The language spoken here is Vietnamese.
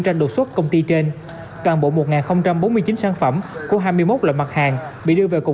tranh đột xuất công ty trên toàn bộ một bốn mươi chín sản phẩm của hai mươi một loại mặt hàng bị đưa về cục